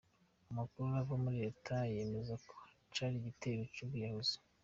Amakuru ava muri leta yemeza ko cari igitero c'umwiyahuzi.